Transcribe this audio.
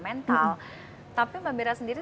mental tapi mbak bera sendiri